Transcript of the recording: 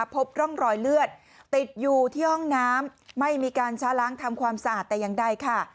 พบร่องรอยเลือดติดอยู่ที่ห้องน้ำไม่มีการช้าล้างทำความสะอาดแต่อย่างใดค่ะ